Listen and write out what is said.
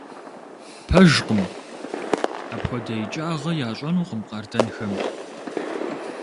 Пэжкъым! Апхуэдэ икӀагъэ ящӀэнукъым къардэнхэм!